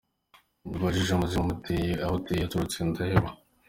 Nibajije umuzimu umuteye aho ateye aturutse ndaheba.